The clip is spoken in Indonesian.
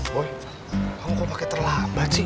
boy kamu kok pake terlambat sih